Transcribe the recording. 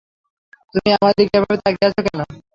তুমি আমার দিকে এভাবে তাকিয়ে আছ কেন?